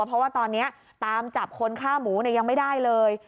เพราะว่าตอนนี้ตามจับคนฆ่าหมูยังไม่ได้เลย